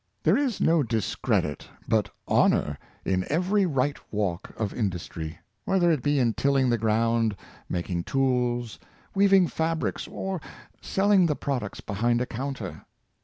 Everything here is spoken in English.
There is no discredit, but honor, in every right walk of industry, whether it be in tilling the ground, making tools, weaving fabrics, or selling the products behind a counter.